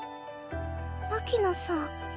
牧野さん？